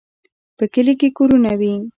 په کلي کې کورونه وي.